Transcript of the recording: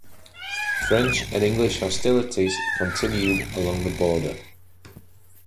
French and English hostilities continued along the border.